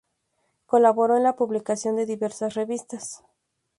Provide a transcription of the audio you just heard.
Colaboró en la publicación de diversas revistas.